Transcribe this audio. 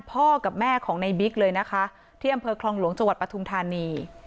พ่อกับแม่ของในบิ๊กเลยนะคะที่อำเภอคลองหลวงจังหวัดปทุมธานี